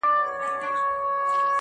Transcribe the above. مرگ دی که ژوند دی.